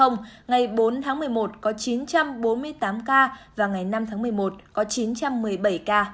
ngày bốn tháng một mươi một có chín trăm bốn mươi tám ca và ngày năm tháng một mươi một có chín trăm một mươi bảy ca